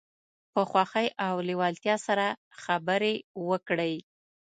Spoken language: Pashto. په خوښۍ او لیوالتیا سره خبرې وکړئ.